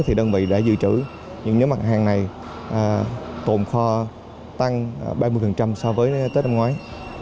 thì đơn vị đã dự trữ những nhóm hàng này tồn kho tăng ba mươi so với tết năm ngoái